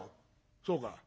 「そうか。